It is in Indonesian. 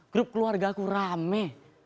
grup keluarga aku rame